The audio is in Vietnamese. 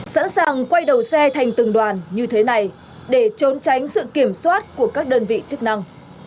sẵn sàng quay đầu xe thành từng đoàn như thế này để trốn tránh sự kiểm soát của các đơn vị chức năng